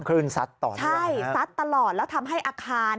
คลื่นซัดต่อเรื่องนะครับใช่ซัดตลอดแล้วทำให้อาคาร